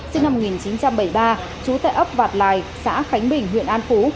sinh năm một nghìn chín trăm bảy mươi ba trú tại ấp vạt lài xã khánh bình huyện an phú